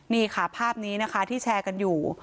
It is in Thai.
นี่ค่ะภาพนี้นะคะที่แชร์กันอยู่